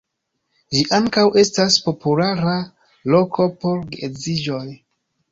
Ĝi ankaŭ estas populara loko por geedziĝoj.